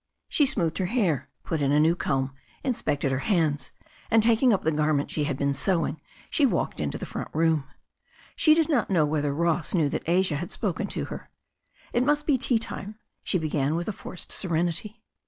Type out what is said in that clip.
She smoothed her hair, put in a new comb, inspected her hands, and taking up the garment she had been sewing, she walked into the front room. She di4 not know whether Ross knew that Asia had spoken to her. "It must be tea time," she began with a forced serenity.